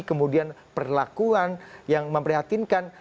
kemudian perlakuan yang memprihatinkan